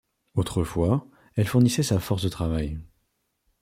Autrefois, elle fournissait sa force de travail.